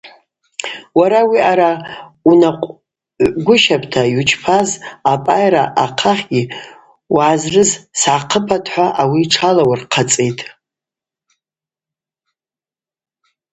Уара ауи аъара унакъвгвыщапӏта – йучпаз апӏайра ахъахьгьи: Угӏазрыз сгӏахъыпатӏ – хӏва ауи тшалауырхъацӏитӏ.